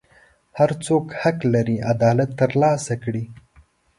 هر څوک حق لري عدالت ترلاسه کړي.